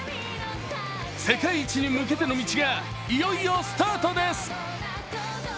世界一に向けての道がいよいよスタートです。